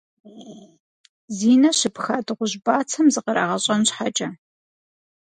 Зи нэ щыпха дыгъужь бацэм зыкърагъэщӀэн щхьэкӀэ,.